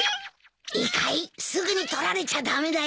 いいかいすぐに取られちゃ駄目だよ。